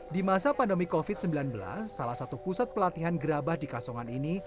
di masa pandemi covid sembilan belas salah satu pusat pelatihan gerabah di kasongan ini